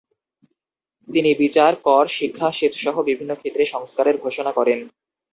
তিনি বিচার, কর, শিক্ষা, সেচসহ বিভিন্ন ক্ষেত্রে সংস্কারের ঘোষণা করেন।